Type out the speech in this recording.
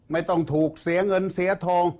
ไม่ต้องถูกเสียเงินเสียทอง